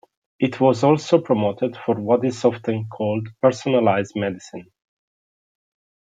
It was also promoted for what is often called Personalized Medicine.